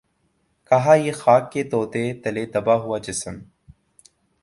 کہاں یہ خاک کے تودے تلے دبا ہوا جسم